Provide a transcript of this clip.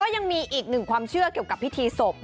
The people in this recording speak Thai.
ยังมีอีกหนึ่งความเชื่อเกี่ยวกับพิธีศพ